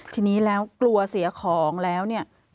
ทีนี้แล้วกลัวเสียของแล้วเนี่ย